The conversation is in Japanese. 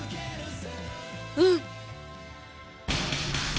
うん！